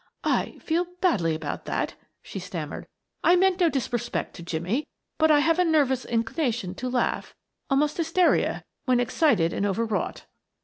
"I feel badly about that," she stammered. "I meant no disrespect to Jimmie, but I have a nervous inclination to laugh almost hysteria when excited and overwrought."